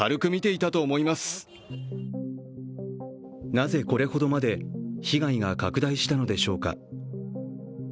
なぜ、これほどまで被害が拡大したのでしょうか。